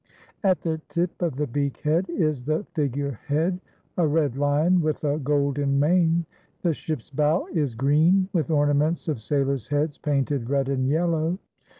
At the tip of the beakhead is the figurehead, a red lion with a golden mane. The ship's bow is green, with ornaments of sailors' heads painted red and yellow.